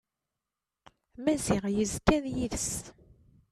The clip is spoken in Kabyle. Maziɣ yezga d yid-s.